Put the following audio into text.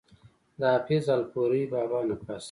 د حافظ الپورۍ بابا نه پس